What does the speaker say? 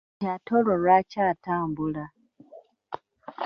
Kati ate olwo lwaki atambula?